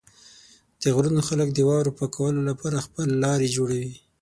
د غرونو خلک د واورو پاکولو لپاره خپل لارې جوړوي.